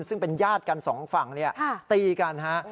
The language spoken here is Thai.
ซึ่งเป็นญาติกันสองฝั่งตีกันครับ